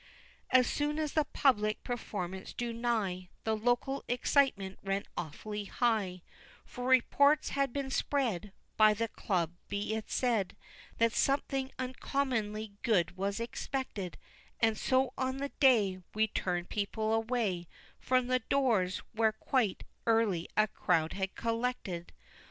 As soon as the public performance drew nigh The local excitement ran awfully high, For reports had been spread (By the club, be it said) That something uncommonly good was expected, And so on the day We turned people away From the doors, where quite early a crowd had collected.